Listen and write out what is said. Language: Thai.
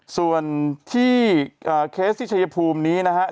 ส่วนที่เคสที่ชายภูมินี้นะครับ